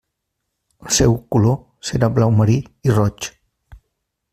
El seu color serà blau marí i roig.